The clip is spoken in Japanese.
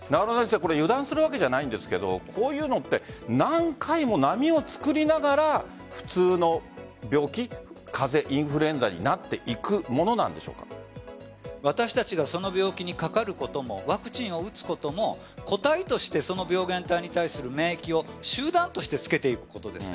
油断するわけじゃないんですがこういうのって何回も波を作りながら普通の病気、風邪インフルエンザに私たちがその病気にかかることもワクチンを打つことも個体としてその病原体に対する免疫を集団としてつけていくことです。